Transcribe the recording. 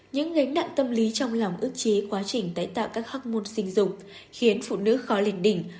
những ngánh nặng tâm lý trong lòng ước chế quá trình tái tạo các hắc môn sinh dụng khiến phụ nữ khó lên đỉnh